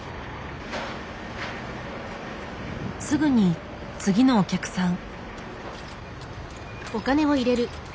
すぐに次のお客さん。